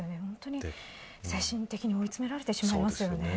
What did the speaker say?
本当に精神的に追い詰められてしまいますね。